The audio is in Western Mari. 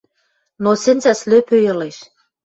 — Но сӹнзӓ слӧпӧй ылеш.